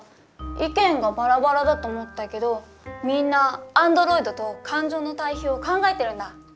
意見がばらばらだと思ったけどみんな「アンドロイド」と「感情」の対比を考えてるんだ。